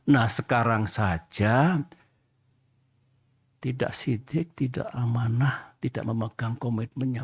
nah sekarang saja tidak sidik tidak amanah tidak memegang komitmennya